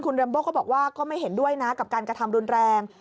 เรมโบ้ก็บอกว่าก็ไม่เห็นด้วยนะกับการกระทำรุนแรง